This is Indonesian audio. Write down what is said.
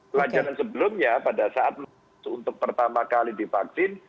pelajaran sebelumnya pada saat untuk pertama kali divaksin